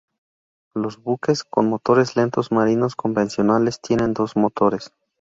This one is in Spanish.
Los buques con motores lentos marinos convencionales tienen dos motores.